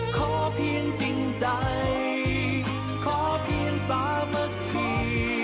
ขอเพียงจริงใจขอเพียงสามัคคี